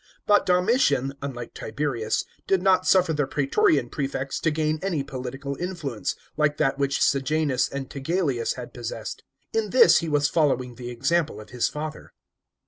But Domitian, unlike Tiberius, did not suffer the praetorian prefects to gain any political influence, like that which Sejanus and Tigelliuus had possessed. In this he was following the example of his father.